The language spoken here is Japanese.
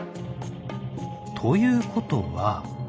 ということは。